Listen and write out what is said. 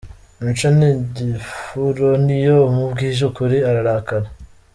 Mico ni igifura, n’iyo umubwije ukuri ararakara.